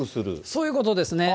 そういうことですね。